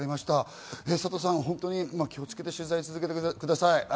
佐藤さん、気をつけて取材を続けてください。